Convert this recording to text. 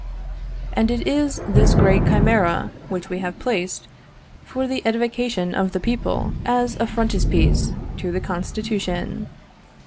And it is this great chimera which we have placed, for the edification of the people, as a frontispiece to the Constitution.